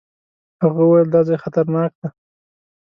هغه وويل دا ځای خطرناک دی.